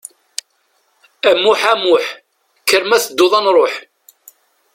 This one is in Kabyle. A Muĥ, a Muḥ, kker ma tedduḍ ad nruḥ.